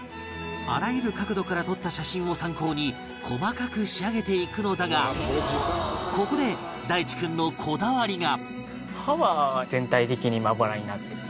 あらゆる角度から撮った写真を参考に細かく仕上げていくのだがここで大智君のこだわりが歯は全体的にまばらになってる。